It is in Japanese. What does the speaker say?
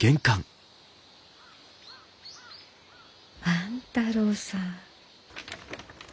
万太郎さん。